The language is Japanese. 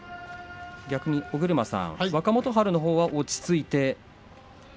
逆に尾車さん、若元春のほうは落ち着いて。